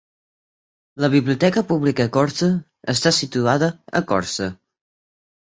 La Biblioteca Pública Ecorse està situada a Ecorse.